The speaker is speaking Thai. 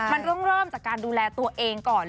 มันต้องเริ่มจากการดูแลตัวเองก่อน